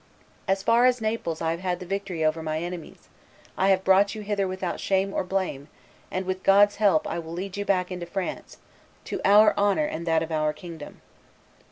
As far as Naples I have had the victory over my enemies; I have brought you hither without shame or blame; with God's help I will lead you back into France, to our honor and that of our kingdom."